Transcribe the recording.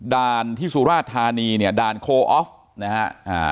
ด่านที่สุราธารณีเนี่ยด่านโคลอฟท์นะฮะ